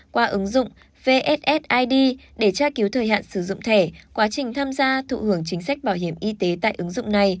qua ứng dụng vssid để tra cứu thời hạn sử dụng thẻ quá trình tham gia thụ hưởng chính sách bảo hiểm y tế tại ứng dụng này